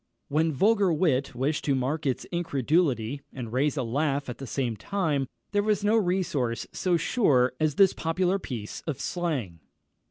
When vulgar wit wished to mark its incredulity, and raise a laugh at the same time, there was no resource so sure as this popular piece of slang.